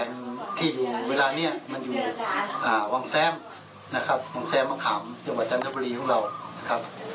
ที่อยู่เวลานี้มันอยู่วังแซมนะครับวังแซมมะขามจังหวัดจันทบุรีของเรานะครับ